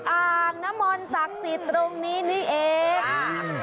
อ่างน้ำมนต์ศักดิ์สิทธิ์ตรงนี้นี่เอง